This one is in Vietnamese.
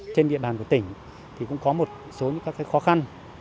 trên địa bàn của tỉnh thì cũng có một số những các khó khăn